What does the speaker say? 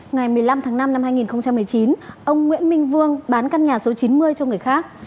ngày một mươi năm tháng năm năm hai nghìn một mươi chín ông nguyễn minh vương bán căn nhà số chín mươi cho người khác